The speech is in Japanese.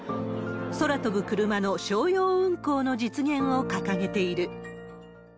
空飛ぶクルマの商用運航の実現を掲げている。